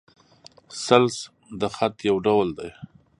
ثلث د خط؛ یو ډول دﺉ.